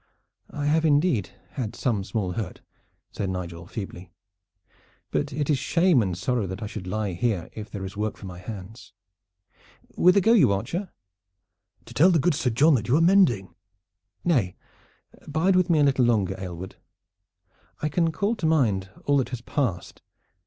"I have indeed had some small hurt," said Nigel feebly; "but it is shame and sorrow that I should lie here if there is work for my hands. Whither go you, archer?" "To tell the good Sir John that you are mending." "Nay, bide with me a little longer, Aylward. I can call to mind all that has passed.